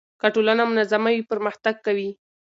که ټولنه منظمه وي پرمختګ کوي.